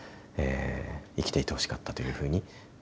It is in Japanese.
生きていてほしかったというふうに。